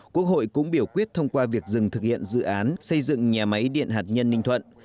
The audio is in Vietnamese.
quốc hội cũng biểu quyết thông qua việc dừng thực hiện dự án xây dựng nhà máy điện hạt nhân ninh thuận